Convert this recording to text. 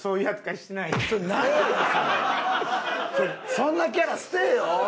そんなキャラ捨てえよ！